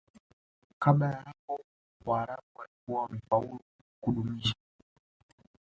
Kabla ya hapo Waarabu walikuwa wamefaulu kudumisha